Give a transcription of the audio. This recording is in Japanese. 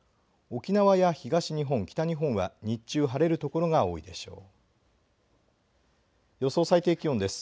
沖縄や東日本北日本は日中晴れる所が多いでしょう。